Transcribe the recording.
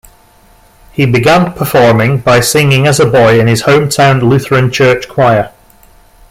He began performing by singing as a boy in his hometown Lutheran Church choir.